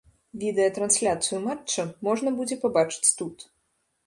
Відэатрансляцыю матча можна будзе пабачыць тут.